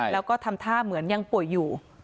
แล้วก็ทำท่าเหมือนยังป่วยอยู่